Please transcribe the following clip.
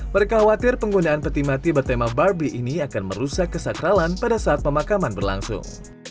mereka khawatir penggunaan peti mati bertema barbie ini akan merusak kesakralan pada saat pemakaman berlangsung